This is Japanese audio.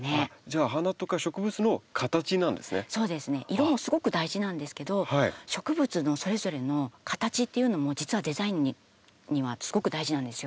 色もすごく大事なんですけど植物のそれぞれの形っていうのも実はデザインにはすごく大事なんですよ。